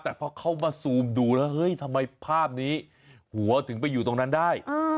แต่พอเขามาซูมดูแล้วเฮ้ยทำไมภาพนี้หัวถึงไปอยู่ตรงนั้นได้